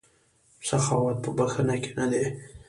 سخاوت په بښنه کې نه دی.